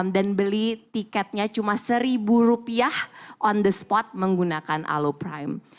beli tiketnya cuma seribu rupiah on the spot menggunakan aloprime